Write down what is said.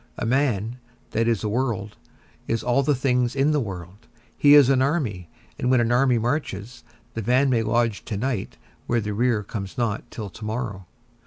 A man, that is a world, is all the things in the world; he is an army, and when an army marches, the van may lodge to night where the rear comes not till to morrow.